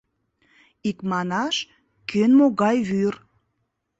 Икманаш, кӧн могай вӱр.